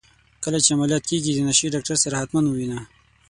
کله چي عمليات کيږې د نشې ډاکتر سره حتما ووينه.